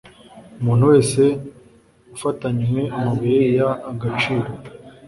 umuntu wese ufatanywe amabuye y agaciro